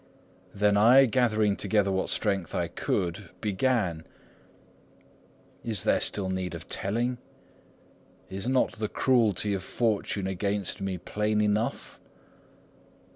Then I, gathering together what strength I could, began: 'Is there still need of telling? Is not the cruelty of fortune against me plain enough?